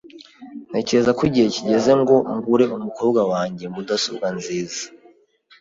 Ntekereza ko igihe kigeze ngo ngure umukobwa wanjye mudasobwa nziza .